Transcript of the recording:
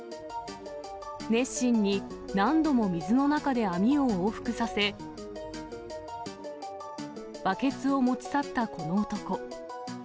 熱心に、何度も水の中で網を往復させ、バケツを持ち去ったこの男。